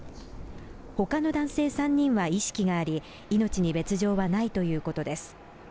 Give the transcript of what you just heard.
他の男性３人は意識があり、命に別状はないということです。